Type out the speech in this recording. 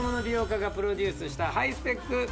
美容家がプロデュースしたハイスペック